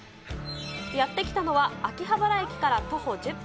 やって来たのは、秋葉原駅から徒歩１０分。